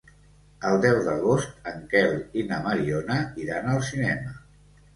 El deu d'agost en Quel i na Mariona iran al cinema.